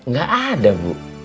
gak ada bu